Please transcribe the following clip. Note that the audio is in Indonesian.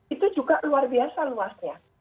itu juga luar biasa luasnya